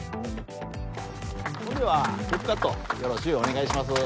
それではテープカットよろしゅうお願いします